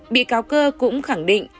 bị cáo cơ cũng khẳng định